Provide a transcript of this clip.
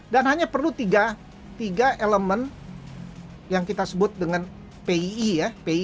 dan hanya perlu tiga elemen yang kita sebut dengan pii